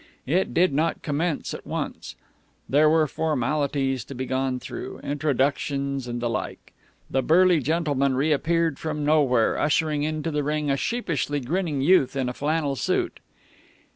It did not commence at once. There were formalities to be gone through, introductions and the like. The burly gentleman reappeared from nowhere, ushering into the ring a sheepishly grinning youth in a flannel suit.